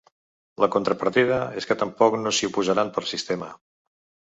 La contrapartida és que tampoc no s’hi oposaran per sistema.